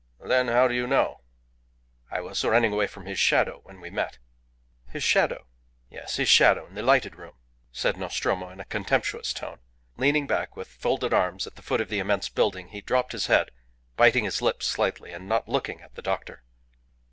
"Then how do you know?" "I was running away from his shadow when we met." "His shadow?" "Yes. His shadow in the lighted room," said Nostromo, in a contemptuous tone. Leaning back with folded arms at the foot of the immense building, he dropped his head, biting his lips slightly, and not looking at the doctor.